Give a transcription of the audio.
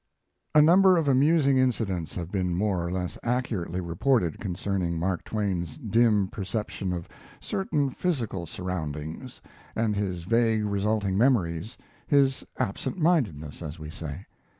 A number of amusing incidents have been more or less accurately reported concerning Mark Twain's dim perception of certain physical surroundings, and his vague resulting memories his absent mindedness, as we say.